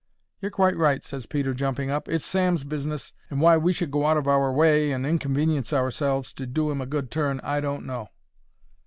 "You're quite right," ses Peter, jumping up. "It's Sam's business, and why we should go out of our way and inconvenience ourselves to do 'im a good turn, I don't know."